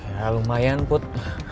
ya lumayan put